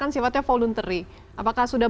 sifatnya voluntary apakah sudah